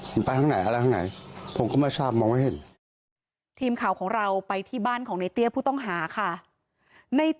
มันไปทั้งไหนอะไรทั้งไหน